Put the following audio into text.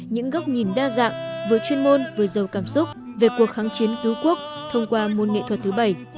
những góc nhìn đa dạng vừa chuyên môn vừa giàu cảm xúc về cuộc kháng chiến cứu quốc thông qua môn nghệ thuật thứ bảy